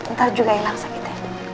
ntar juga hilang sakitnya